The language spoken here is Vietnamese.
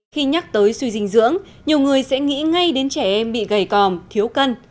khi nhắc tới suy dinh dưỡng nhiều người sẽ nghĩ ngay đến trẻ em bị gầy còm thiếu cân